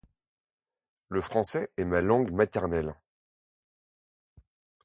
Le français est ma langue maternelle.